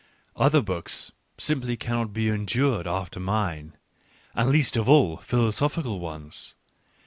Other books simply cannot be endured after mine, and least of all philosophical ones.